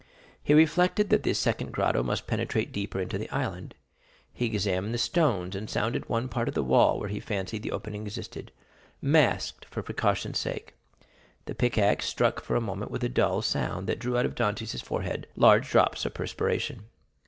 He reflected that this second grotto must penetrate deeper into the island; he examined the stones, and sounded one part of the wall where he fancied the opening existed, masked for precaution's sake. The pickaxe struck for a moment with a dull sound that drew out of Dantès' forehead large drops of perspiration.